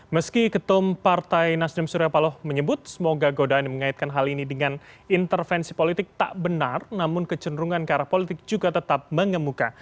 meski ketum partai nasdem surya paloh menyebut semoga godaan yang mengaitkan hal ini dengan intervensi politik tak benar namun kecenderungan ke arah politik juga tetap mengemuka